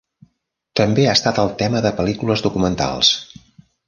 També ha estat el tema de pel·lícules documentals.